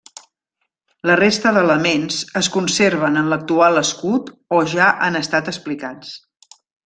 La resta d'elements es conserven en l'actual escut o ja han estat explicats.